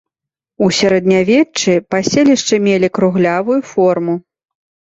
У сярэднявеччы паселішчы мелі круглявую форму.